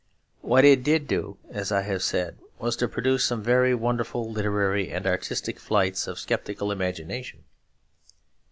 What it did do, as I have said, was to produce some very wonderful literary and artistic flights of sceptical imagination.